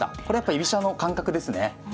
これやっぱ居飛車の感覚ですね。